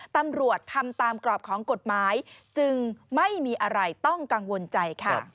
ตำรวจทำตามกรอบของกฎหมายจึงไม่มีอะไรต้องกังวลใจค่ะ